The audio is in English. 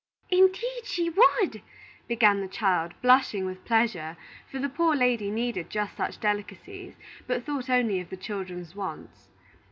"Indeed she would!" began the child, blushing with pleasure; for the poor lady needed just such delicacies, but thought only of the children's wants.